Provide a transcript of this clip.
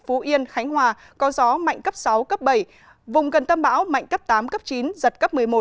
phú yên khánh hòa có gió mạnh cấp sáu cấp bảy vùng gần tâm bão mạnh cấp tám cấp chín giật cấp một mươi một